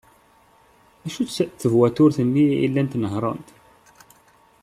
Acu-tt twaturt-nni i llant nehhrent?